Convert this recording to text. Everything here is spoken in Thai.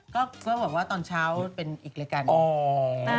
ก็บอกว่าตอนเช้าเป็นอีกรายการ